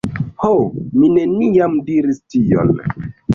Ho, mi neniam diris tion.